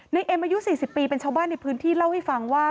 เอ็มอายุ๔๐ปีเป็นชาวบ้านในพื้นที่เล่าให้ฟังว่า